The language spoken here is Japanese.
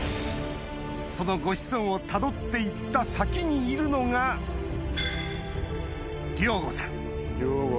そのご子孫をたどって行った先にいるのが凌悟さん